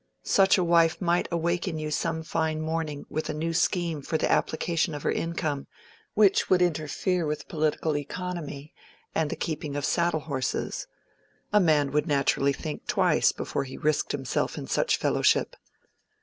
Such a wife might awaken you some fine morning with a new scheme for the application of her income which would interfere with political economy and the keeping of saddle horses: a man would naturally think twice before he risked himself in such fellowship.